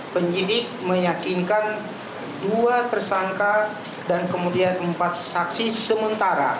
penyidik meyakinkan dua tersangka dan kemudian empat saksi sementara